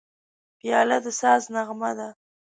پیاله د ساز نغمه ده.